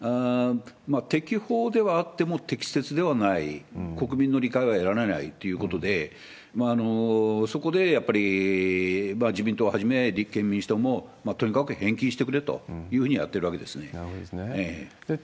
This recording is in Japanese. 適法ではあっても、適切ではない、国民の理解は得られないということで、そこでやっぱり自民党をはじめ、立憲民主党もとにかく返金してくれというふうにやってるわけですなるほど。